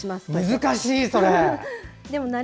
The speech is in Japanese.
難しい、それ！